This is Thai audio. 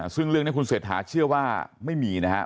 ซึ่งเรื่องนี้คุณเศรษฐาเชื่อว่าไม่มีนะครับ